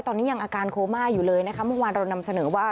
ตอนนี้ยังอาการโคม่าอยู่เลยนะคะเมื่อวานเรานำเสนอว่า